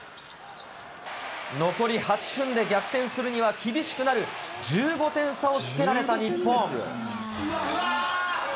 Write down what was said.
残り８分で逆転するには厳しくなる１５点差をつけられた日本。